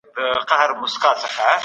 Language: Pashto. وزیران ولي جرګې ته غوښتل کېږي؟